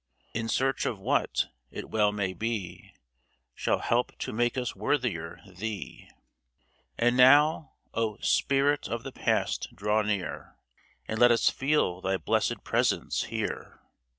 In search of what, it well may be, Shall help to make us worthier thee ! And now, O, spirit of the Past, draw near. And let us feel thy blessed presence here